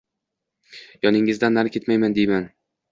Yoningizdan nari ketmayin deyman.